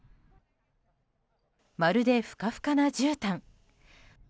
まるで、ふかふかなじゅうたん。